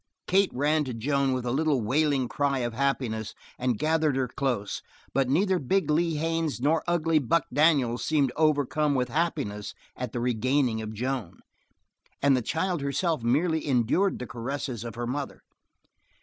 Kate ran to Joan with a little wailing cry of happiness and gathered her close, but neither big Lee Haines nor ugly Buck Daniels seemed overcome with happiness at the regaining of Joan, and the child herself merely endured the caresses of her mother.